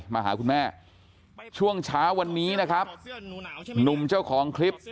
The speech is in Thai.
มาหาคุณแม่ช่วงเช้าวันนี้นะครับหนุ่มเจ้าของคลิป